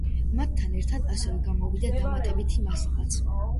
მათთან ერთად ასევე გამოვიდა დამატებითი მასალაც.